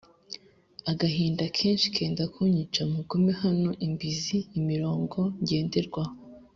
agahinda kenshi kenda kunyica Mugume hano imbizi imirongo ngenderwaho